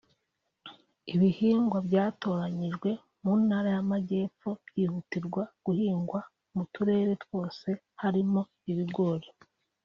Ibihingwa byatoranyijwe mu Ntara y’Amajyepfo byihutirwa guhingwa mu Turere twose harimo ibigoli